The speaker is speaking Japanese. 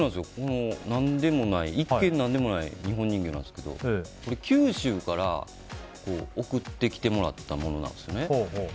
一見、何でもない日本人形なんですけど九州から送ってきてもらったものなんですね。